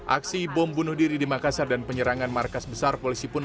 aksi bom bunuh diri di makassar dan penyerangan markas besar polisi pun